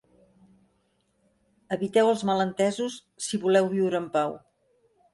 Eviteu els malentesos, si voleu viure en pau.